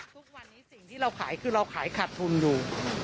ทุกวันนี้สิ่งที่เราขายคือเราขายขาดทุนอยู่